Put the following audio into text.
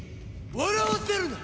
笑わせるな！